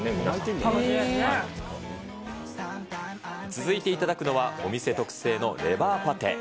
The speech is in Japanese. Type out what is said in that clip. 続いて頂くのは、お店特製のレバーパテ。